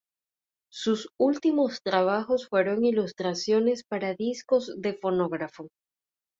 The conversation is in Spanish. Sus últimos trabajos fueron ilustraciones para discos de fonógrafo